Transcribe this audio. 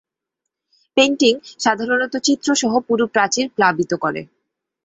Painting সাধারণত চিত্র সহ পুরো প্রাচীর প্লাবিত করে।